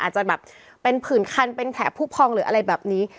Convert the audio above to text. อาจจะแบบเป็นผื่นคันเป็นแผลผู้พองหรืออะไรแบบนี้